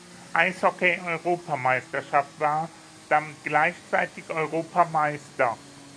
Eishockey-Europameisterschaft war, damit gleichzeitig Europameister.